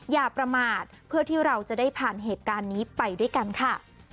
อย่าประมาทเพื่อที่เราจะได้ผ่านเหตุการณ์นี้ไปด้วยกันค่ะ